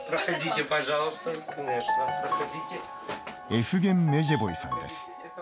エフゲン・メジェヴォイさんです。